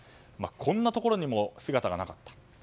こんなところにも姿がなかった。